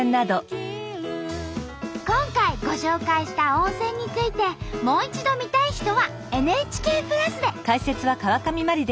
今回ご紹介した温泉についてもう一度見たい人はＮＨＫプラスで。